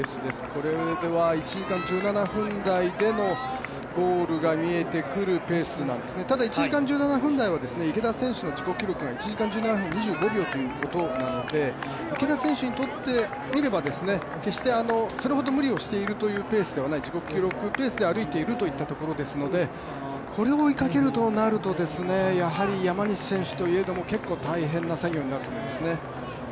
これは１時間１７分台でのゴールが見えてくるペースなんですね、ただ１時間１７分台は、池田選手の自己記録が１時間１７分なので池田選手にとってみれば、決してそれほど無理をしてるわけではない自己記録ペースで歩いているということなのでこれを追いかけるとなると、山西選手といえども結構大変な作業になると思いますね。